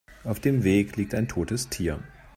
Auf dem Weg liegt ein totes Tier.